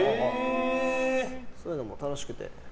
そういうのも楽しくて。